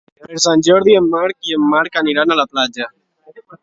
Per Sant Jordi en Marc i en Marc aniran a la platja.